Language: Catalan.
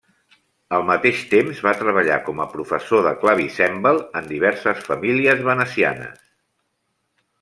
Al mateix temps va treballar com a professor de clavicèmbal en diverses famílies venecianes.